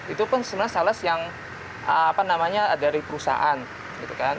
itu pun sales yang dari perusahaan